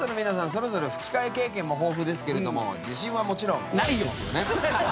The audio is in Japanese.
それぞれ吹き替え経験も豊富ですけれども自信はもちろん。